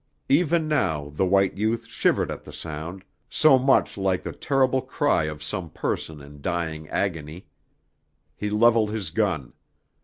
Even now the white youth shivered at the sound, so much like the terrible cry of some person in dying agony. He leveled his gun.